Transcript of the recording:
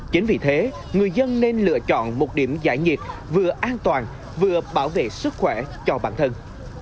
chính vì thế người dân nên lựa chọn một điểm giải nhiệt vừa an toàn vừa bảo vệ sức khỏe cho bản thân